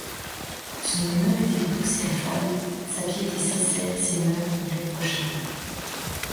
Son humeur était douce et affable, sa piété sincère, ses mœurs irréprochables.